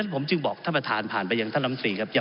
ผมอภิปรายเรื่องการขยายสมภาษณ์รถไฟฟ้าสายสีเขียวนะครับ